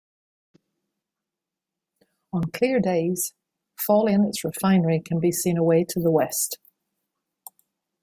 On clear days, Fawley and its Refinery can be seen away to the west.